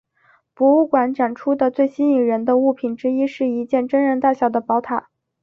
博物馆展出的最吸引人的物品之一是一件真人大小的宝塔。